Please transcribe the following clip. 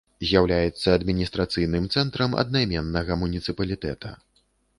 З'яўляецца адміністрацыйным цэнтрам аднайменнага муніцыпалітэта.